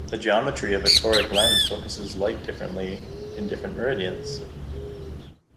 The geometry of a toric lens focuses light differently in different meridians.